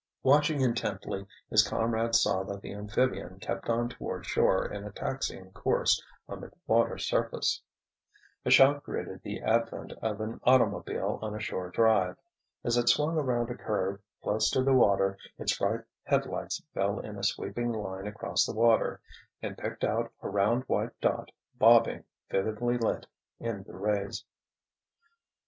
Watching intently, his comrades saw that the amphibian kept on toward shore in a taxiing course on the water surface. A shout greeted the advent of an automobile on a shore drive. As it swung around a curve, close to the water, its bright headlights fell in a sweeping line across the water—and picked out a round, white dot bobbing, vividly lit, in the rays.